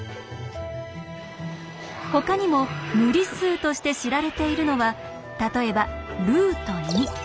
ほかにも無理数として知られているのは例えば。